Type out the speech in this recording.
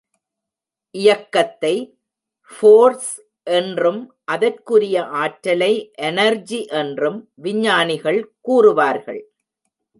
இயக்கத்தை ஃபோர்ஸ் என்றும், அதற்குரிய ஆற்றலை எனர்ஜி என்றும் விஞ்ஞானிகள் கூறுவார்கள்.